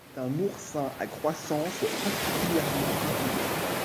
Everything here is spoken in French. C'est un oursin à croissance particulièrement rapide.